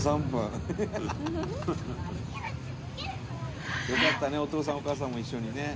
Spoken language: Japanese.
ハハハハ」「よかったねお父さんお母さんも一緒にね」